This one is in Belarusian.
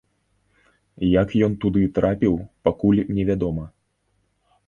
Як ён туды трапіў, пакуль невядома.